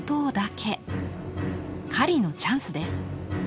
狩りのチャンスです。